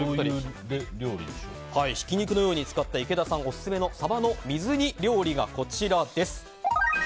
ひき肉のように使った池田さんオススメのサバの水煮料理がこちらです。